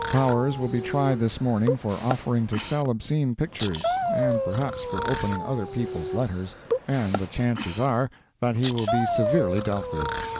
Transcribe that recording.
Powers will be tried this morning for offering to sell obscene pictures, and perhaps for opening other people's letters, and the chances are that he will be severely dealt with.